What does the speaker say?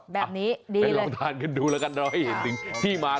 ไปทานขึ้นดูแล้วกันเราจะให้ได้เห็นที่มา